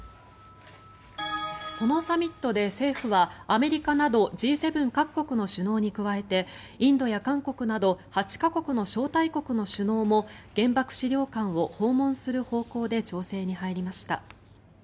そのサミットで政府はアメリカなどＧ７各国の首脳に加えてインドや韓国など８か国の招待国の首脳も原爆資料館を訪問する方向で調整に入りました。